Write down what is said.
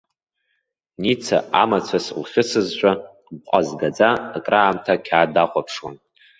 Ница амацәыс лхьысызшәа, дҟәазгаӡа краамҭа ақьаад дахәаԥшуан.